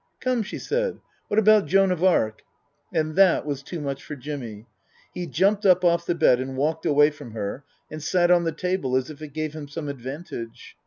" Come," she said, " what about Joan of Arc ?" And that was too much for Jimmy. He jumped up off the bed and walked away from her and sat on the table as if it gave him some advantage.